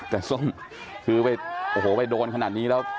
แต่ส้มคือไปโอ้โหไปโดนขนาดนี้แล้ว